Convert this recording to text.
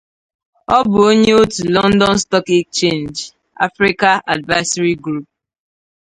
Ọ bụ onye otu London stock exchange Africa Advisory group.